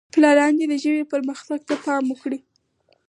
پلاران دې د ژبې پرمختګ ته پام وکړي.